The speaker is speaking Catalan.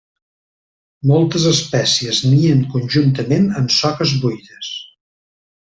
Moltes espècies nien conjuntament en soques buides.